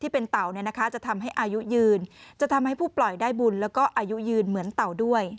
เป็นเต่าจะทำให้อายุยืนให้ปล่อยได้บุญแล้วอายุยืนเหมือนเต่า